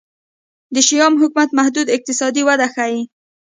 د شیام حکومت محدوده اقتصادي وده ښيي.